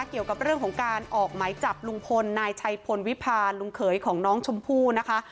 เกี่ยวกับเรื่องของการออกหมายจับลุงพลนายชัยพลวิพาลลุงเขยของน้องชมพู่นะคะ